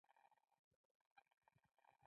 مېلمه ته د خوشحالۍ احساس ورکړه.